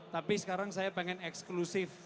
tapi sekarang saya pengen eksklusif